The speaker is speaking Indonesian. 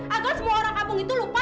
agar semua orang kampung itu lupa